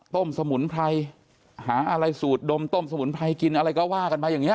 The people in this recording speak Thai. สมุนไพรหาอะไรสูตรดมต้มสมุนไพรกินอะไรก็ว่ากันไปอย่างนี้